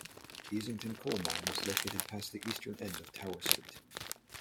Easington coal mine was located past the eastern end of Tower Street.